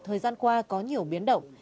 thời gian qua có nhiều biến động